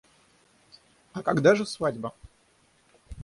А когда же свадьба?